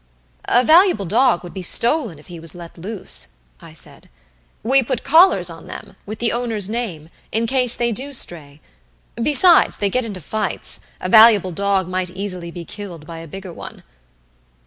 "A valuable dog would be stolen if he was let loose," I said. "We put collars on them, with the owner's name, in case they do stray. Besides, they get into fights a valuable dog might easily be killed by a bigger one."